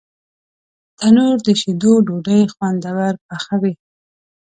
تنور د شیدو ډوډۍ خوندور پخوي